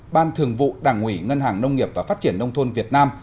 ban thường vụ đảng ủy ngân hàng nông nghiệp và phát triển nông thôn việt nam